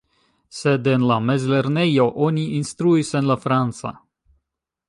Sed en la mezlernejo oni instruis en la franca.